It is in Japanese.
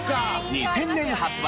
２０００年発売